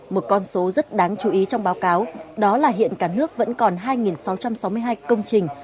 một con số rất đáng chú ý trong báo cáo đó là hiện cả nước vẫn còn hai sáu trăm sáu mươi hai công trình